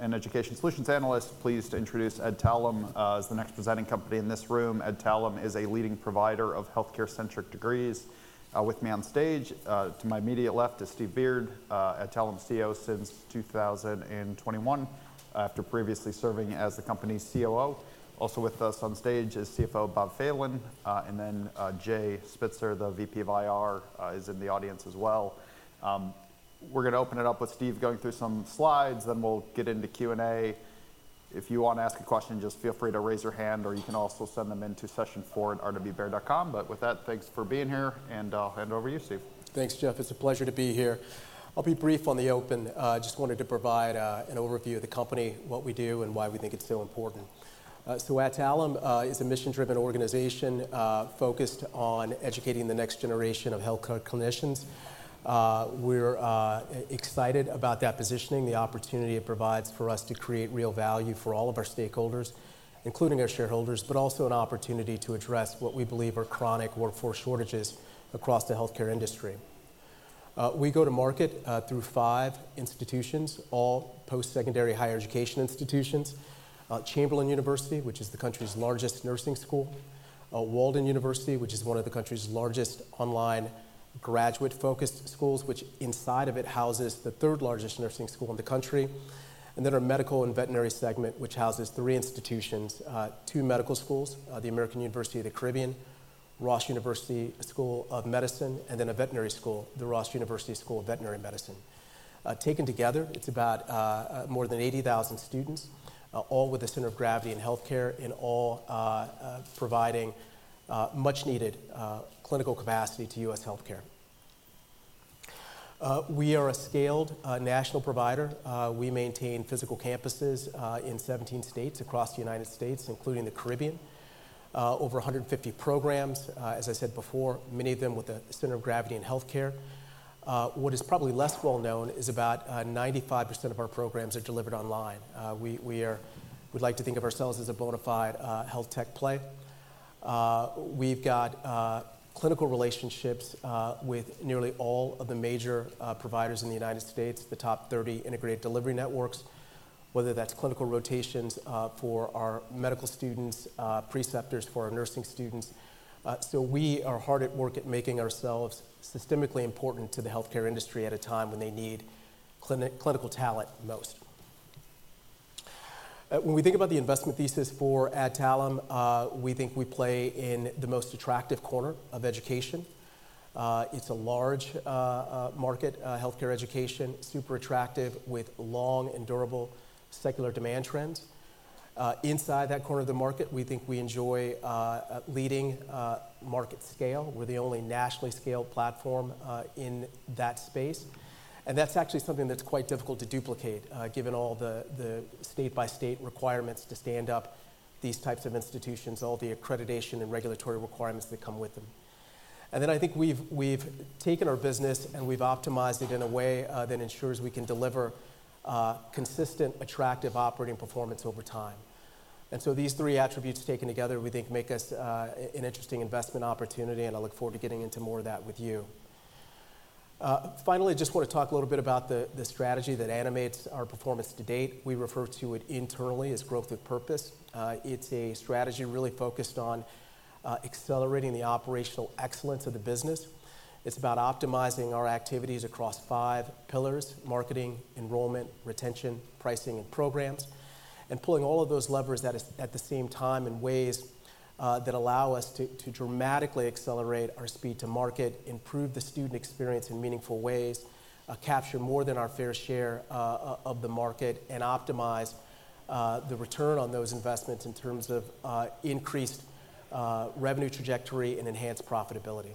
An education solutions analyst, pleased to introduce Adtalem as the next presenting company in this room. Adtalem is a leading provider of healthcare-centric degrees. With me on stage, to my immediate left is Steve Beard, Adtalem CEO since 2021, after previously serving as the company's COO. Also with us on stage is CFO Bob Phelan, and then, Jay Spitzer, the VP of IR, is in the audience as well. We're gonna open it up with Steve going through some slides, then we'll get into Q&A. If you want to ask a question, just feel free to raise your hand, or you can also send them in to sessionfour@rbbear.com. But with that, thanks for being here, and I'll hand it over to you, Steve. Thanks, Jeff. It's a pleasure to be here. I'll be brief on the open. Just wanted to provide an overview of the company, what we do, and why we think it's so important. So Adtalem is a mission-driven organization focused on educating the next generation of healthcare clinicians. We're excited about that positioning, the opportunity it provides for us to create real value for all of our stakeholders, including our shareholders, but also an opportunity to address what we believe are chronic workforce shortages across the healthcare industry. We go to market through five institutions, all post-secondary higher education institutions. Chamberlain University, which is the country's largest nursing school. Walden University, which is one of the country's largest online graduate-focused schools, which inside of it houses the third-largest nursing school in the country. Then our medical and veterinary segment, which houses three institutions: two medical schools, the American University of the Caribbean, Ross University School of Medicine, and then a veterinary school, the Ross University School of Veterinary Medicine. Taken together, it's about more than 80,000 students, all with a center of gravity in healthcare and all providing much-needed clinical capacity to U.S. healthcare. We are a scaled national provider. We maintain physical campuses in 17 states across the United States, including the Caribbean. Over 150 programs, as I said before, many of them with a center of gravity in healthcare. What is probably less well known is about 95% of our programs are delivered online. We like to think of ourselves as a bona fide health tech play. We've got clinical relationships with nearly all of the major providers in the United States, the top 30 integrated delivery networks, whether that's clinical rotations for our medical students, preceptors for our nursing students. So we are hard at work at making ourselves systemically important to the healthcare industry at a time when they need clinical talent most. When we think about the investment thesis for Adtalem, we think we play in the most attractive corner of education. It's a large market, healthcare education, super attractive, with long and durable secular demand trends. Inside that corner of the market, we think we enjoy leading market scale. We're the only nationally scaled platform, in that space, and that's actually something that's quite difficult to duplicate, given all the state-by-state requirements to stand up these types of institutions, all the accreditation and regulatory requirements that come with them. And then I think we've taken our business, and we've optimized it in a way, that ensures we can deliver, consistent, attractive operating performance over time. And so these three attributes, taken together, we think make us, an interesting investment opportunity, and I look forward to getting into more of that with you. Finally, just want to talk a little bit about the strategy that animates our performance to date. We refer to it internally as growth with purpose. It's a strategy really focused on, accelerating the operational excellence of the business. It's about optimizing our activities across five pillars: marketing, enrollment, retention, pricing, and programs. Pulling all of those levers at the same time in ways that allow us to dramatically accelerate our speed to market, improve the student experience in meaningful ways, capture more than our fair share of the market, and optimize the return on those investments in terms of increased revenue trajectory and enhanced profitability.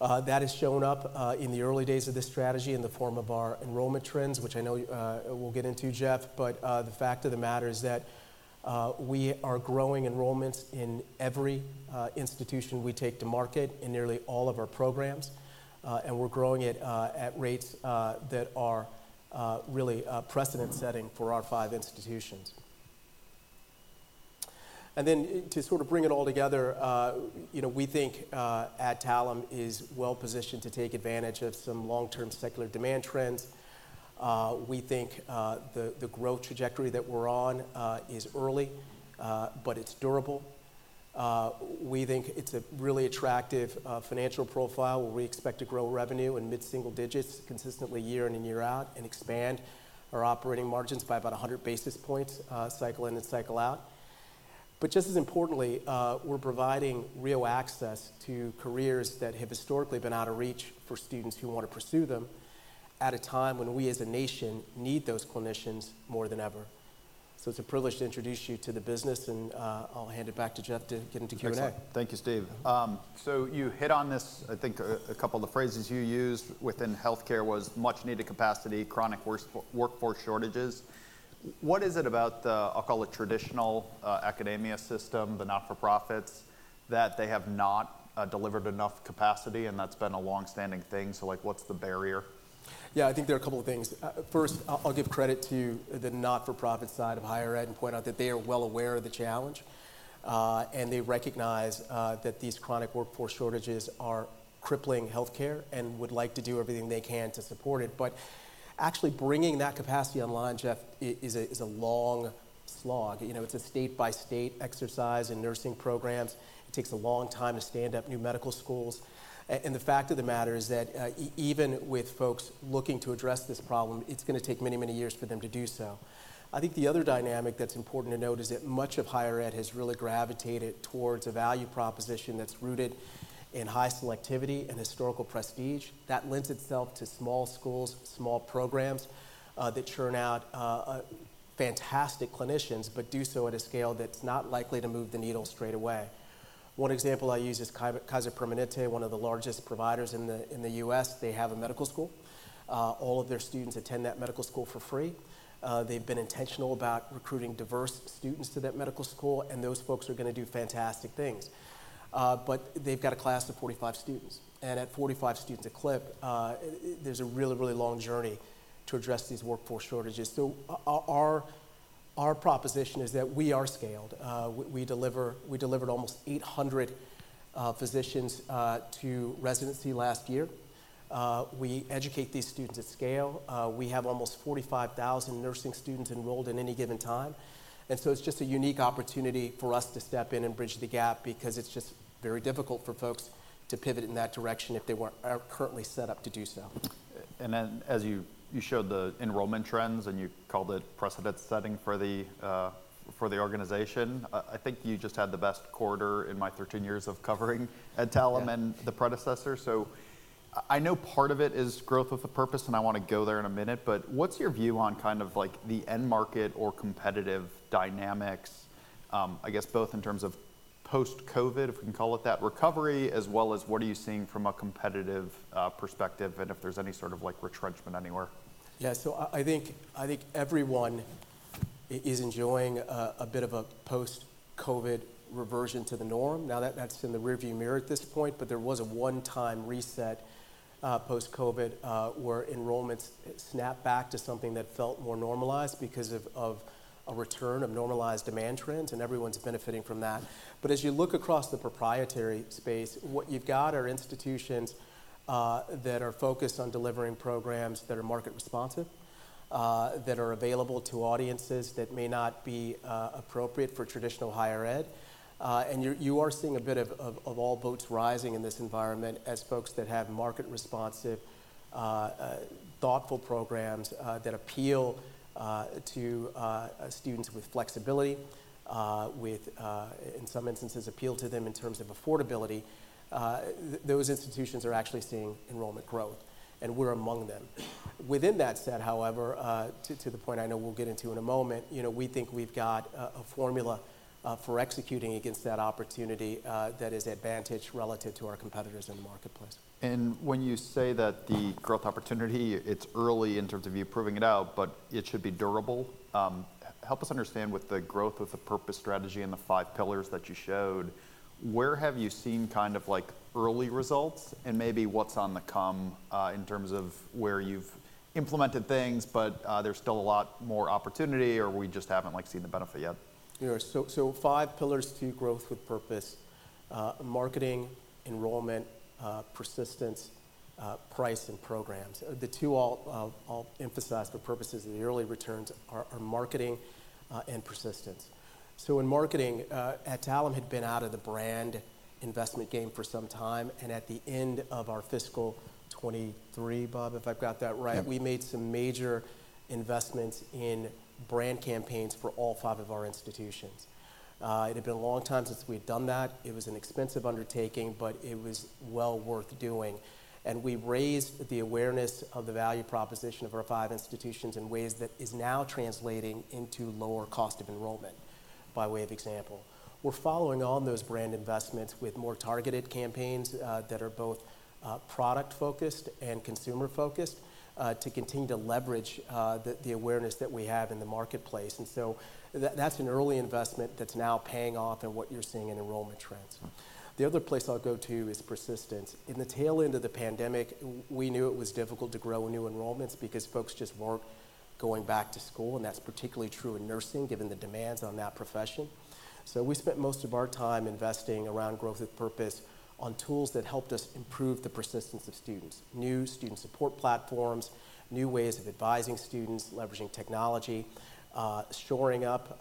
That has shown up in the early days of this strategy in the form of our enrollment trends, which I know we'll get into, Jeff, but the fact of the matter is that we are growing enrollments in every institution we take to market in nearly all of our programs, and we're growing it at rates that are really precedent-setting for our five institutions. And then to sort of bring it all together, you know, we think Adtalem is well positioned to take advantage of some long-term secular demand trends. We think the growth trajectory that we're on is early, but it's durable. We think it's a really attractive financial profile, where we expect to grow revenue in mid-single digits consistently year in and year out, and expand our operating margins by about 100 basis points cycle in and cycle out. But just as importantly, we're providing real access to careers that have historically been out of reach for students who want to pursue them at a time when we as a nation need those clinicians more than ever. So it's a privilege to introduce you to the business, and I'll hand it back to Jeff to get into Q&A. Excellent. Thank you, Steve. So you hit on this, I think a couple of the phrases you used within healthcare was much-needed capacity, chronic workforce shortages. What is it about the, I'll call it, traditional academia system, the not-for-profits, that they have not delivered enough capacity, and that's been a long-standing thing? So, like, what's the barrier? Yeah, I think there are a couple of things. First, I'll give credit to the not-for-profit side of higher ed and point out that they are well aware of the challenge, and they recognize that these chronic workforce shortages are crippling healthcare and would like to do everything they can to support it. But actually bringing that capacity online, Jeff, is a long slog. You know, it's a state-by-state exercise in nursing programs. It takes a long time to stand up new medical schools. And the fact of the matter is that even with folks looking to address this problem, it's going to take many, many years for them to do so. I think the other dynamic that's important to note is that much of higher ed has really gravitated towards a value proposition that's rooted in high selectivity and historical prestige. That lends itself to small schools, small programs, that churn out fantastic clinicians, but do so at a scale that's not likely to move the needle straight away. One example I use is Kaiser Permanente, one of the largest providers in the U.S. They have a medical school. All of their students attend that medical school for free. They've been intentional about recruiting diverse students to that medical school, and those folks are going to do fantastic things. But they've got a class of 45 students, and at 45 students a clip, there's a really, really long journey to address these workforce shortages. So our proposition is that we are scaled. We delivered almost 800 physicians to residency last year. We educate these students at scale. We have almost 45,000 nursing students enrolled in any given time. So it's just a unique opportunity for us to step in and bridge the gap because it's just very difficult for folks to pivot in that direction if they are currently set up to do so. As you, you showed the enrollment trends, and you called it precedent-setting for the, for the organization. I think you just had the best quarter in my 13 years of covering Adtalem- Yeah... and the predecessor. So I know part of it is growth with a purpose, and I want to go there in a minute, but what's your view on kind of like the end market or competitive dynamics, I guess both in terms of post-COVID, if we can call it that, recovery, as well as what are you seeing from a competitive perspective, and if there's any sort of like retrenchment anywhere? Yeah, so I think everyone is enjoying a bit of a post-COVID reversion to the norm. Now that's in the rearview mirror at this point, but there was a one-time reset post-COVID where enrollments snapped back to something that felt more normalized because of a return of normalized demand trends, and everyone's benefiting from that. But as you look across the proprietary space, what you've got are institutions that are focused on delivering programs that are market responsive that are available to audiences that may not be appropriate for traditional higher ed. You are seeing a bit of all boats rising in this environment as folks that have market-responsive, thoughtful programs that appeal to students with flexibility, with in some instances appeal to them in terms of affordability. Those institutions are actually seeing enrollment growth, and we're among them. Within that set, however, to the point I know we'll get into in a moment, you know, we think we've got a formula for executing against that opportunity that is advantage relative to our competitors in the marketplace. When you say that the growth opportunity, it's early in terms of you proving it out, but it should be durable. Help us understand with the growth with the purpose strategy and the five pillars that you showed, where have you seen kind of like early results and maybe what's on the come in terms of where you've implemented things, but there's still a lot more opportunity, or we just haven't, like, seen the benefit yet? Yeah, so, so five pillars to growth with purpose: marketing, enrollment, persistence, price, and programs. The two I'll emphasize for purposes of the early returns are marketing and persistence. So in marketing, Adtalem had been out of the brand investment game for some time, and at the end of our fiscal 2023, Bob, if I've got that right- Yep... we made some major investments in brand campaigns for all five of our institutions. It had been a long time since we'd done that. It was an expensive undertaking, but it was well worth doing. We raised the awareness of the value proposition of our five institutions in ways that is now translating into lower cost of enrollment, by way of example. We're following on those brand investments with more targeted campaigns that are both product focused and consumer focused to continue to leverage the awareness that we have in the marketplace. So that's an early investment that's now paying off in what you're seeing in enrollment trends. The other place I'll go to is persistence. In the tail end of the pandemic, we knew it was difficult to grow new enrollments because folks just weren't going back to school, and that's particularly true in nursing, given the demands on that profession. So we spent most of our time investing around growth with purpose on tools that helped us improve the persistence of students, new student support platforms, new ways of advising students, leveraging technology, shoring up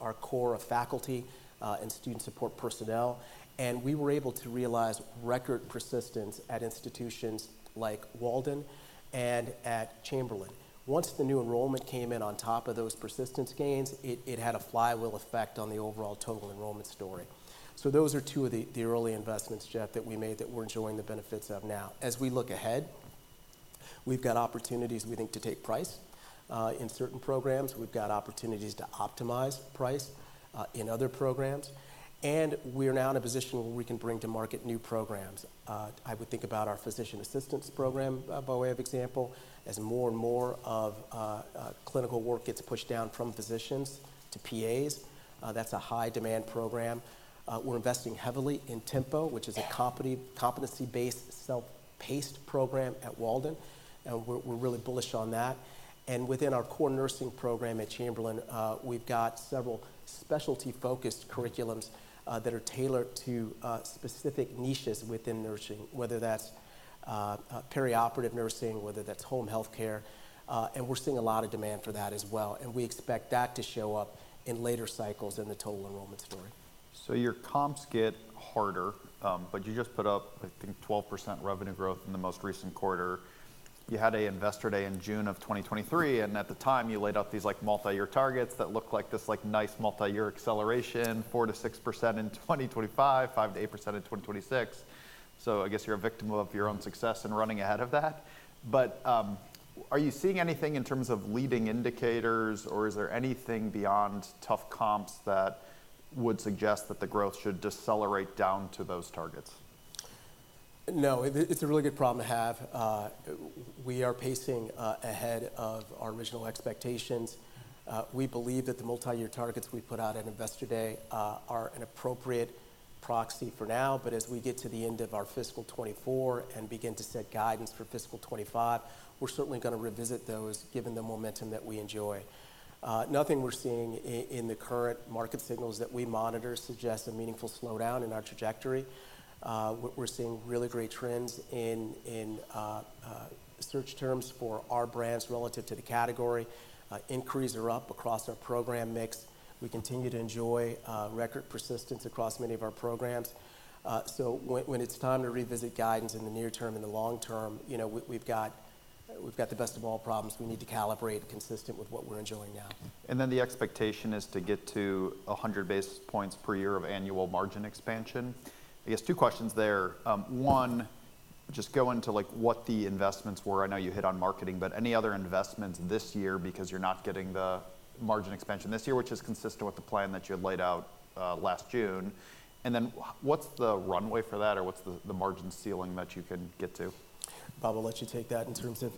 our core of faculty, and student support personnel. And we were able to realize record persistence at institutions like Walden and at Chamberlain. Once the new enrollment came in on top of those persistence gains, it had a flywheel effect on the overall total enrollment story. So those are two of the early investments, Jeff, that we made that we're enjoying the benefits of now. As we look ahead, we've got opportunities, we think, to take price in certain programs. We've got opportunities to optimize price in other programs, and we're now in a position where we can bring to market new programs. I would think about our physician assistant program by way of example. As more and more of clinical work gets pushed down from physicians to PAs, that's a high-demand program. We're investing heavily in Tempo, which is a competency-based, self-paced program at Walden, and we're really bullish on that. Within our core nursing program at Chamberlain, we've got several specialty-focused curriculums that are tailored to specific niches within nursing, whether that's perioperative nursing, whether that's home healthcare, and we're seeing a lot of demand for that as well, and we expect that to show up in later cycles in the total enrollment story. So your comps get harder, but you just put up, I think, 12% revenue growth in the most recent quarter. You had an Investor Day in June of 2023, and at the time, you laid out these, like, multi-year targets that look like this, like, nice multi-year acceleration, 4%-6% in 2025, 5%-8% in 2026. So I guess you're a victim of your own success in running ahead of that. But, are you seeing anything in terms of leading indicators, or is there anything beyond tough comps that would suggest that the growth should decelerate down to those targets? No, it's a really good problem to have. We are pacing ahead of our original expectations. We believe that the multi-year targets we put out at Investor Day are an appropriate proxy for now. But as we get to the end of our fiscal 2024 and begin to set guidance for fiscal 2025, we're certainly gonna revisit those, given the momentum that we enjoy. Nothing we're seeing in the current market signals that we monitor suggests a meaningful slowdown in our trajectory. We're seeing really great trends in search terms for our brands relative to the category. Inquiries are up across our program mix. We continue to enjoy record persistence across many of our programs. So when it's time to revisit guidance in the near term and the long term, you know, we've got the best of all problems. We need to calibrate consistent with what we're enjoying now. And then the expectation is to get to 100 basis points per year of annual margin expansion. I guess two questions there. One, just go into, like, what the investments were. I know you hit on marketing, but any other investments this year because you're not getting the margin expansion this year, which is consistent with the plan that you had laid out last June. And then what's the runway for that, or what's the margin ceiling that you can get to? Bob, I'll let you take that in terms of,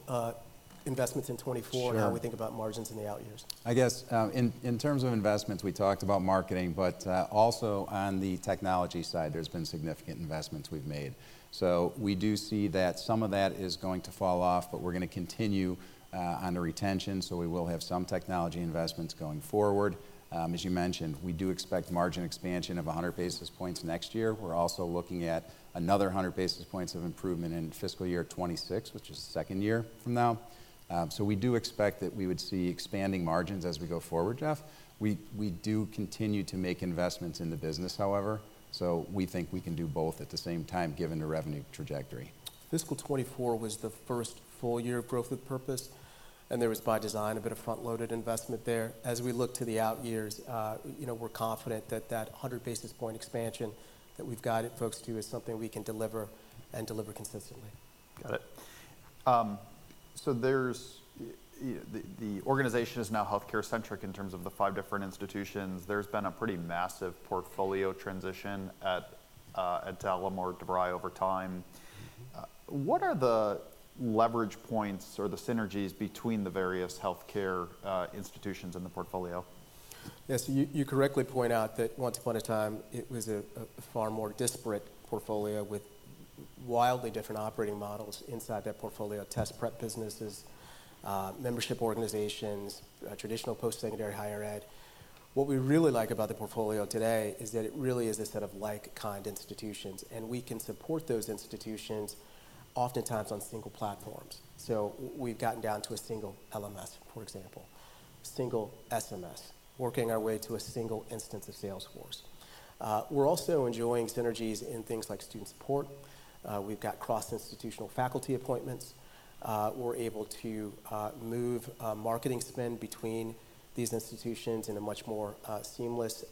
investments in 2024- Sure. and how we think about margins in the out years. I guess, in terms of investments, we talked about marketing, but also on the technology side, there's been significant investments we've made. So we do see that some of that is going to fall off, but we're gonna continue on the retention, so we will have some technology investments going forward. As you mentioned, we do expect margin expansion of 100 basis points next year. We're also looking at another 100 basis points of improvement in fiscal year 2026, which is the second year from now. So we do expect that we would see expanding margins as we go forward, Jeff. We do continue to make investments in the business, however, so we think we can do both at the same time, given the revenue trajectory. Fiscal 2024 was the first full year of Growth with Purpose, and there was, by design, a bit of front-loaded investment there. As we look to the out years, you know, we're confident that that 100 basis point expansion that we've guided folks to is something we can deliver and deliver consistently. Got it. So there's the organization is now healthcare-centric in terms of the five different institutions. There's been a pretty massive portfolio transition at Adtalem or DeVry over time. What are the leverage points or the synergies between the various healthcare institutions in the portfolio? Yes, you correctly point out that once upon a time, it was a far more disparate portfolio with wildly different operating models inside that portfolio, test prep businesses, membership organizations, traditional post-secondary higher ed. What we really like about the portfolio today is that it really is a set of like-kind institutions, and we can support those institutions oftentimes on single platforms. So we've gotten down to a single LMS, for example, single SMS, working our way to a single instance of Salesforce. We're also enjoying synergies in things like student support. We've got cross-institutional faculty appointments. We're able to move marketing spend between these institutions in a much more seamless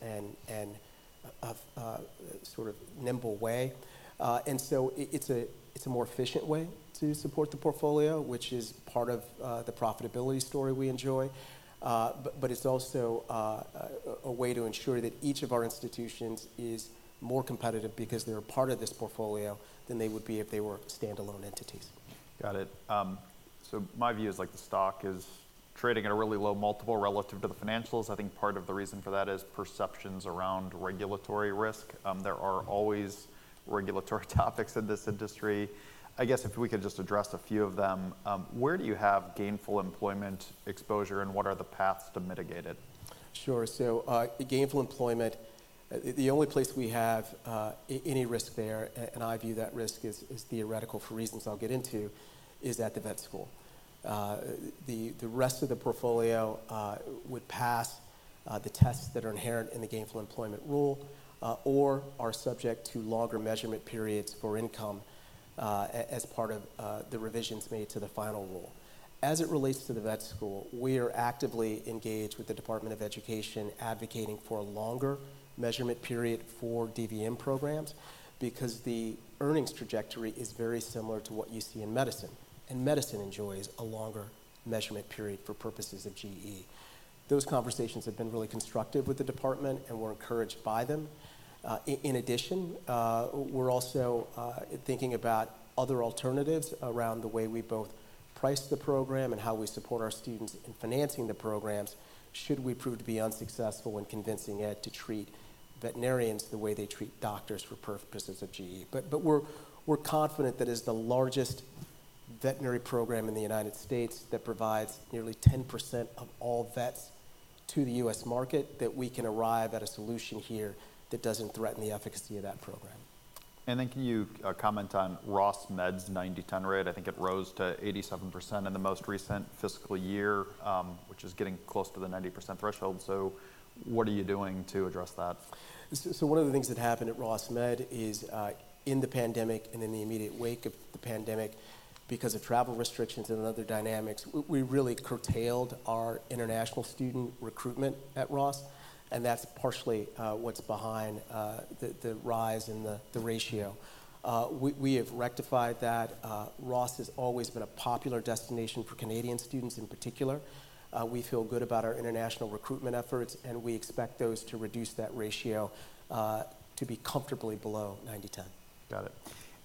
and sort of nimble way. And so it's a more efficient way to support the portfolio, which is part of the profitability story we enjoy. But it's also a way to ensure that each of our institutions is more competitive because they're a part of this portfolio than they would be if they were standalone entities. Got it. So my view is, like, the stock is trading at a really low multiple relative to the financials. I think part of the reason for that is perceptions around regulatory risk. There are always regulatory topics in this industry. I guess if we could just address a few of them, where do you have Gainful Employment exposure, and what are the paths to mitigate it? Sure. So, gainful employment, the only place we have any risk there, and I view that risk is theoretical, for reasons I'll get into, is at the vet school. The rest of the portfolio would pass the tests that are inherent in the gainful employment rule, or are subject to longer measurement periods for income, as part of the revisions made to the final rule. As it relates to the vet school, we are actively engaged with the Department of Education, advocating for a longer measurement period for DVM programs because the earnings trajectory is very similar to what you see in medicine, and medicine enjoys a longer measurement period for purposes of GE. Those conversations have been really constructive with the department, and we're encouraged by them. In addition, we're also thinking about other alternatives around the way we price the program and how we support our students in financing the programs, should we prove to be unsuccessful in convincing Ed to treat veterinarians the way they treat doctors for purposes of GE. But we're confident that as the largest veterinary program in the United States that provides nearly 10% of all vets to the U.S. market, that we can arrive at a solution here that doesn't threaten the efficacy of that program. Then can you comment on Ross Med's 90/10 rate? I think it rose to 87% in the most recent fiscal year, which is getting close to the 90% threshold. What are you doing to address that? So one of the things that happened at Ross Med is, in the pandemic and in the immediate wake of the pandemic, because of travel restrictions and other dynamics, we really curtailed our international student recruitment at Ross, and that's partially what's behind the rise in the ratio. We have rectified that. Ross has always been a popular destination for Canadian students in particular. We feel good about our international recruitment efforts, and we expect those to reduce that ratio to be comfortably below 90/10. Got it.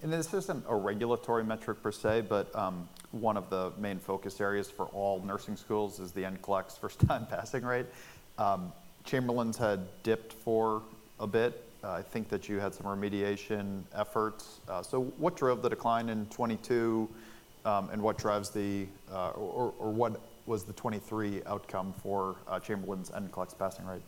And then this isn't a regulatory metric per se, but one of the main focus areas for all nursing schools is the NCLEX first-time passing rate. Chamberlain's had dipped for a bit. I think that you had some remediation efforts. So what drove the decline in 2022, and what drives the, or what was the 2023 outcome for Chamberlain's NCLEX passing rate?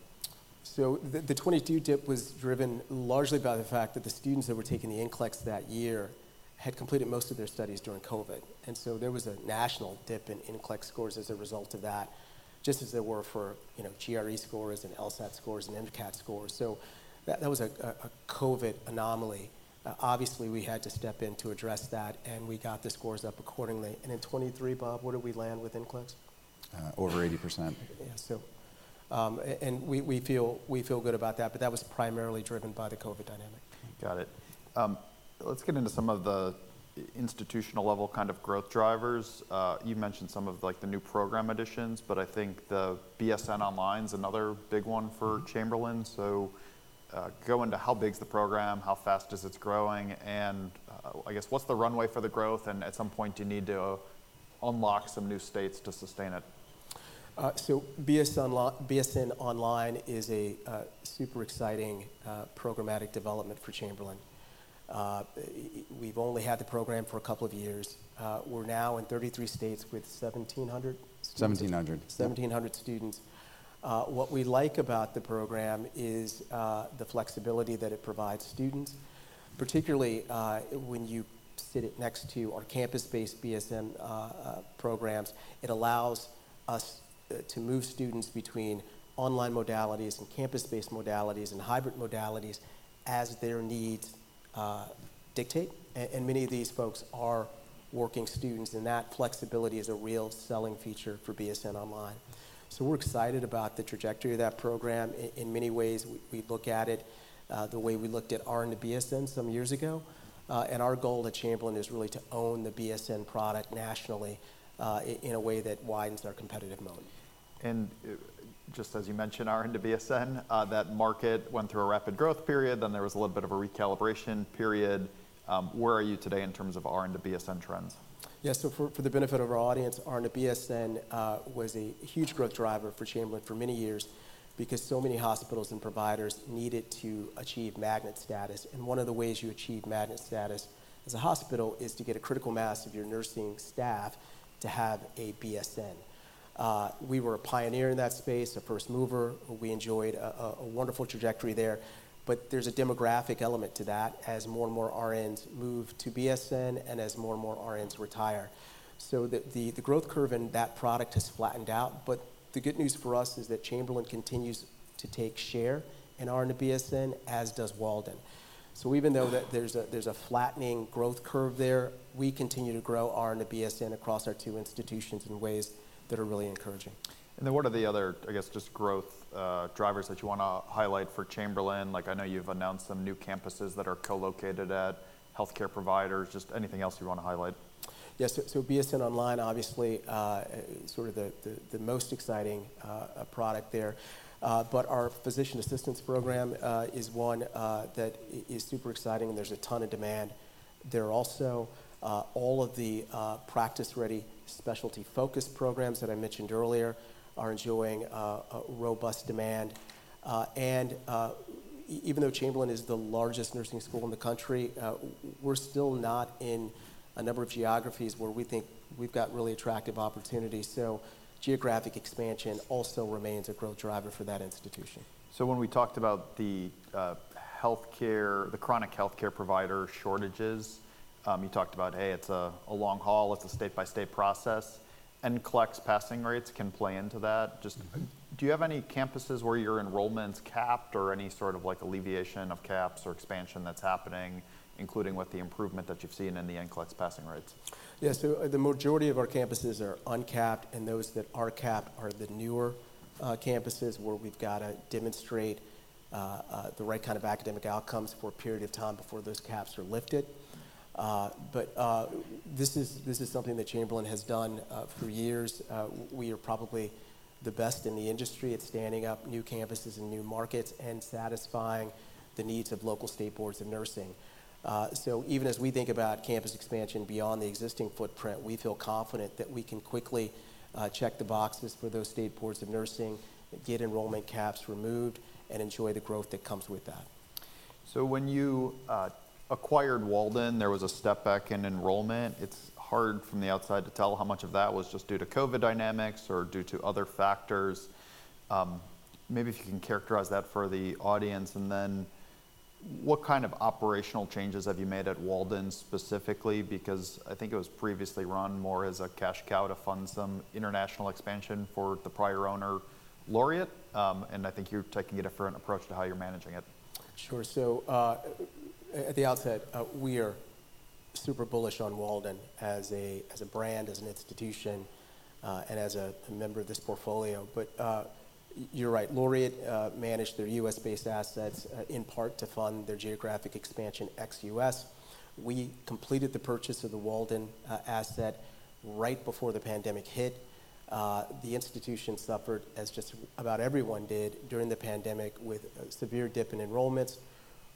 So the 2022 dip was driven largely by the fact that the students that were taking the NCLEX that year had completed most of their studies during COVID, and so there was a national dip in NCLEX scores as a result of that, just as there were for, you know, GRE scores and LSAT scores and MCAT scores. So that was a COVID anomaly. Obviously, we had to step in to address that, and we got the scores up accordingly. And in 2023, Bob, where did we land with NCLEX? Over 80%. Yeah, so, and we feel good about that, but that was primarily driven by the COVID dynamic. Got it. Let's get into some of the institutional-level kind of growth drivers. You mentioned some of, like, the new program additions, but I think the BSN Online is another big one for- Mm-hmm... Chamberlain. So, go into how big is the program, how fast is it growing, and, I guess, what's the runway for the growth, and at some point, do you need to unlock some new states to sustain it? So BSN Online is a super exciting programmatic development for Chamberlain. We've only had the program for a couple of years. We're now in 33 states with 1,700 students? Seventeen hundred. 1,700 students. What we like about the program is the flexibility that it provides students, particularly when you sit it next to our campus-based BSN programs. It allows us to move students between online modalities and campus-based modalities and hybrid modalities as their needs dictate. And many of these folks are working students, and that flexibility is a real selling feature for BSN Online. So we're excited about the trajectory of that program. In many ways, we look at it the way we looked at RN to BSN some years ago, and our goal at Chamberlain is really to own the BSN product nationally, in a way that widens our competitive moat. Just as you mentioned, RN to BSN, that market went through a rapid growth period, then there was a little bit of a recalibration period. Where are you today in terms of RN to BSN trends? Yeah, so for the benefit of our audience, RN to BSN was a huge growth driver for Chamberlain for many years because so many hospitals and providers needed to achieve Magnet status, and one of the ways you achieve Magnet status as a hospital is to get a critical mass of your nursing staff to have a BSN. We were a pioneer in that space, a first mover. We enjoyed a wonderful trajectory there, but there's a demographic element to that as more and more RNs move to BSN and as more and more RNs retire. So the growth curve in that product has flattened out, but the good news for us is that Chamberlain continues to take share in RN to BSN, as does Walden. So even though there's a flattening growth curve there, we continue to grow RN to BSN across our two institutions in ways that are really encouraging. And then what are the other, I guess, just growth drivers that you wanna highlight for Chamberlain? Like, I know you've announced some new campuses that are co-located at healthcare providers. Just anything else you want to highlight. Yes, so BSN Online, obviously, sort of the most exciting product there, but our physician assistant program is one that is super exciting, and there's a ton of demand. There are also all of the practice-ready, specialty-focused programs that I mentioned earlier are enjoying a robust demand, and even though Chamberlain is the largest nursing school in the country, we're still not in a number of geographies where we think we've got really attractive opportunities, so geographic expansion also remains a growth driver for that institution. So when we talked about the healthcare, the chronic healthcare provider shortages, you talked about, hey, it's a long haul, it's a state-by-state process, NCLEX passing rates can play into that. Just- Mm-hmm. Do you have any campuses where your enrollment's capped or any sort of, like, alleviation of caps or expansion that's happening, including with the improvement that you've seen in the NCLEX passing rates? Yes, so the majority of our campuses are uncapped, and those that are capped are the newer campuses, where we've got to demonstrate the right kind of academic outcomes for a period of time before those caps are lifted. But this is something that Chamberlain has done for years. We are probably the best in the industry at standing up new campuses and new markets and satisfying the needs of local state boards of nursing. So even as we think about campus expansion beyond the existing footprint, we feel confident that we can quickly check the boxes for those state boards of nursing, get enrollment caps removed, and enjoy the growth that comes with that. So when you acquired Walden, there was a step back in enrollment. It's hard from the outside to tell how much of that was just due to COVID dynamics or due to other factors. Maybe if you can characterize that for the audience, and then what kind of operational changes have you made at Walden specifically? Because I think it was previously run more as a cash cow to fund some international expansion for the prior owner, Laureate. And I think you're taking a different approach to how you're managing it. Sure. So, at the outset, we are super bullish on Walden as a, as a brand, as an institution, and as a member of this portfolio. But, you're right, Laureate managed their U.S.-based assets, in part to fund their geographic expansion ex-U.S. We completed the purchase of the Walden asset right before the pandemic hit. The institution suffered, as just about everyone did during the pandemic, with a severe dip in enrollments.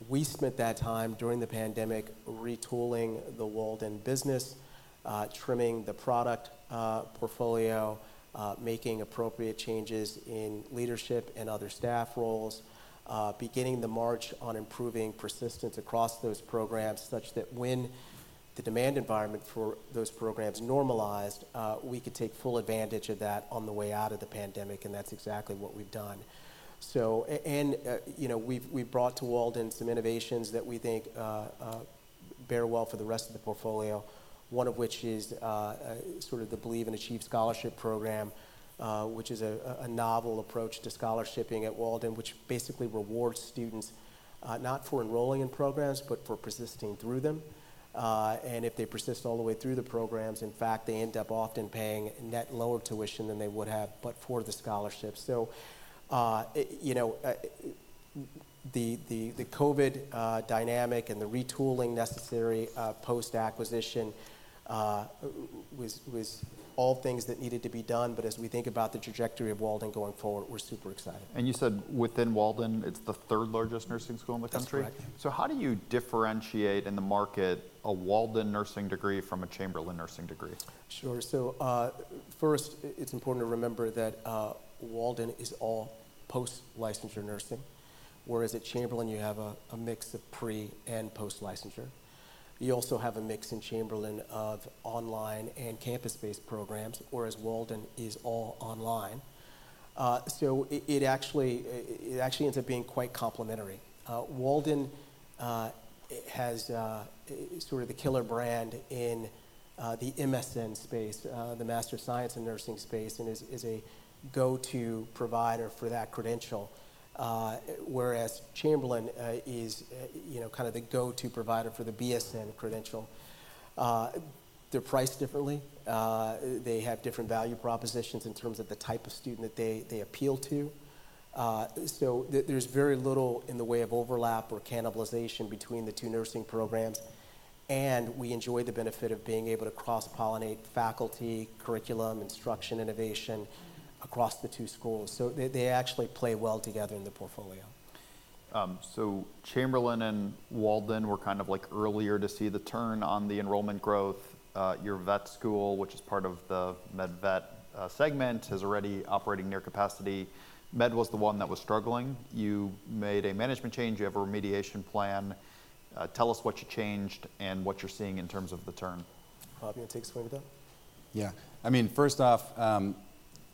We spent that time during the pandemic retooling the Walden business, trimming the product portfolio, making appropriate changes in leadership and other staff roles, beginning the march on improving persistence across those programs, such that when the demand environment for those programs normalized, we could take full advantage of that on the way out of the pandemic, and that's exactly what we've done. So, and, you know, we've brought to Walden some innovations that we think bear well for the rest of the portfolio. One of which is sort of the Believe and Achieve Scholarship program, which is a novel approach to scholarshipping at Walden, which basically rewards students not for enrolling in programs, but for persisting through them. And if they persist all the way through the programs, in fact, they end up often paying net lower tuition than they would have, but for the scholarship. So, it, you know, the COVID dynamic and the retooling necessary post-acquisition was all things that needed to be done. But as we think about the trajectory of Walden going forward, we're super excited. You said within Walden, it's the third largest nursing school in the country? That's correct. How do you differentiate in the market a Walden nursing degree from a Chamberlain nursing degree? Sure. So, first, it's important to remember that, Walden is all post-licensure nursing, whereas at Chamberlain, you have a mix of pre- and post-licensure. You also have a mix in Chamberlain of online and campus-based programs, whereas Walden is all online. So it actually ends up being quite complementary. Walden has sort of the killer brand in the MSN space, the Master of Science in Nursing space, and is a go-to provider for that credential. Whereas Chamberlain is, you know, kind of the go-to provider for the BSN credential. They're priced differently. They have different value propositions in terms of the type of student that they appeal to. So there's very little in the way of overlap or cannibalization between the two nursing programs, and we enjoy the benefit of being able to cross-pollinate faculty, curriculum, instruction, innovation across the two schools, so they actually play well together in the portfolio. So Chamberlain and Walden were kind of, like, earlier to see the turn on the enrollment growth. Your vet school, which is part of the med vet segment, is already operating near capacity. Med was the one that was struggling. You made a management change. You have a remediation plan. Tell us what you changed and what you're seeing in terms of the turn. Bob, you want to take this one again? Yeah. I mean, first off,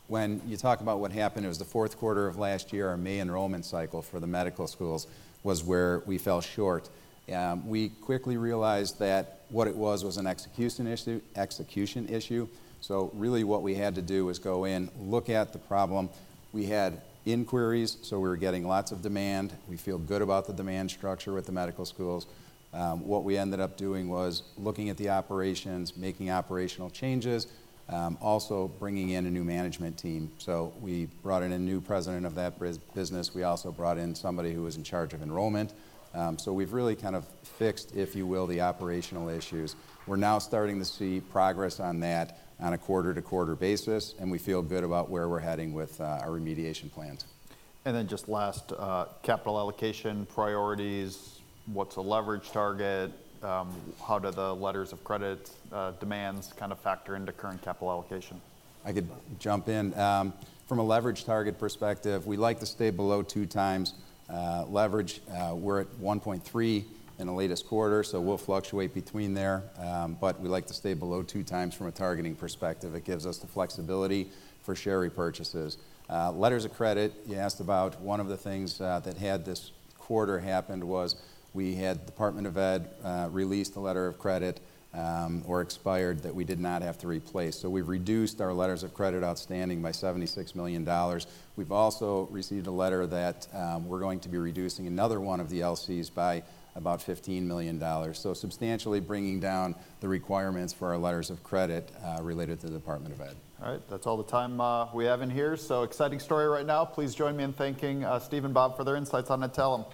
when you talk about what happened, it was the fourth quarter of last year, our May enrollment cycle for the medical schools was where we fell short. We quickly realized that what it was, was an execution issue, execution issue. So really, what we had to do was go in, look at the problem. We had inquiries, so we were getting lots of demand. We feel good about the demand structure with the medical schools. What we ended up doing was looking at the operations, making operational changes, also bringing in a new management team. So we brought in a new president of that business. We also brought in somebody who was in charge of enrollment. So we've really kind of fixed, if you will, the operational issues. We're now starting to see progress on that on a quarter-to-quarter basis, and we feel good about where we're heading with our remediation plans. And then just last, capital allocation priorities, what's the leverage target? How do the letters of credit demands kind of factor into current capital allocation? I could jump in. From a leverage target perspective, we like to stay below 2x leverage. We're at 1.3 in the latest quarter, so we'll fluctuate between there. But we like to stay below 2x from a targeting perspective. It gives us the flexibility for share repurchases. Letters of credit, you asked about, one of the things that happened this quarter was we had Department of Ed release the letter of credit or expired, that we did not have to replace. So we've reduced our letters of credit outstanding by $76 million. We've also received a letter that we're going to be reducing another one of the LCs by about $15 million. So substantially bringing down the requirements for our letters of credit related to the Department of Ed. All right. That's all the time we have in here. So exciting story right now. Please join me in thanking Steve and Bob for their insights on Adtalem.